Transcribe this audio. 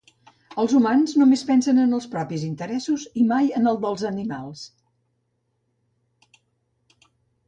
Els humans només pensen en els propis interessos i mai en els dels animals